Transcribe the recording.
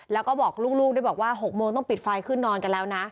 แล้วก็บอกลูกด้วยบอกว่า๖โมงต้องปิดไฟขึ้นนอนกันแล้วนะ